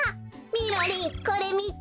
みろりんこれみて。